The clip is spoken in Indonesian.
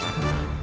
oh kalian mau mati